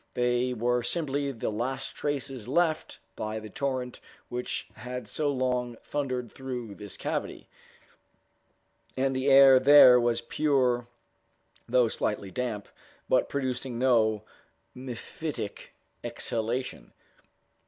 They were simply the last traces left by the torrent which had so long thundered through this cavity, and the air there was pure though slightly damp, but producing no mephitic exhalation.